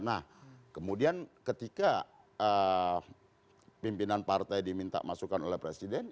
nah kemudian ketika pimpinan partai diminta masukan oleh presiden